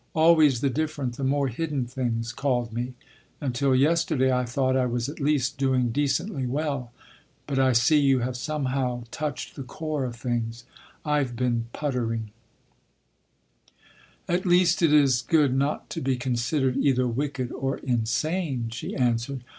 Always the different, the more hidden things called me. Until yesterday I thought I was at least doing decently well. But I see you have somehow touched the core of things. I’ve been puttering—" "At least, it is good not to be considered either wicked or insane," she answered.